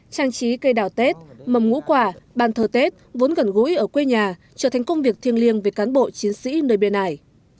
trang trí cây đào tết mầm ngũ quả bàn thờ tết vốn gần gũi ở quê nhà trở thành công việc thiêng liêng về cán bộ chiến sĩ nơi bên này